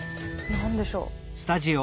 何でしょう？